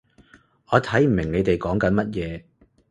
我睇唔明你哋講緊乜嘢